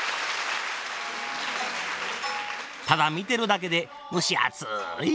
ただ見てるだけで蒸し暑い